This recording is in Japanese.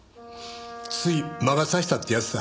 つい魔が差したってやつさ。